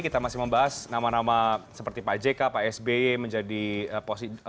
kita masih membahas nama nama seperti pak jk pak sby menjadi posisi